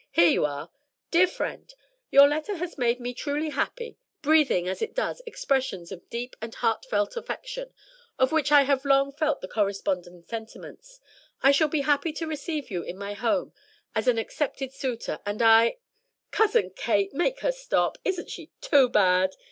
"Here you are: "'DEAR FRIEND, Your letter has made me truly happy, breathing, as it does, expressions of deep and heartfelt affection, of which I have long felt the corresponding sentiments. I shall be happy to receive you in my home as an accepted suitor, and I '" "Cousin Kate, make her stop isn't she too bad?"